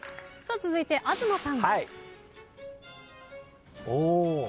続いて向井さん。